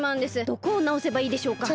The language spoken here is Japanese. どこをなおせばいいでしょうか？